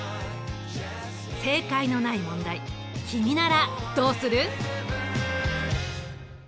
正解のない問題君ならどうする？